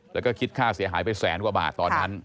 แล้วก็คิดค่าเสียหายไปแสนกว่าบาทตอนนั้น